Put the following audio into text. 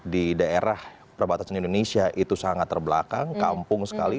di daerah perbatasan indonesia itu sangat terbelakang kampung sekali